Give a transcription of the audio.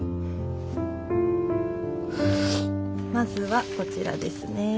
まずはこちらですね。